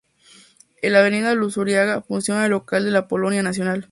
En la avenida luzuriaga funciona el local de la Policía Nacional.